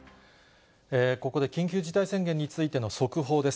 ここで緊急事態宣言についての速報です。